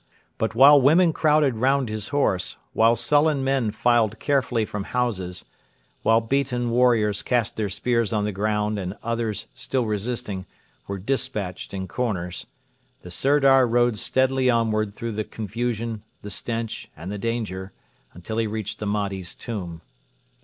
But while women crowded round his horse, while sullen men filed carefully from houses, while beaten warriors cast their spears on the ground and others, still resisting, were despatched in corners, the Sirdar rode steadily onward through the confusion, the stench, and the danger, until he reached the Mahdi's Tomb.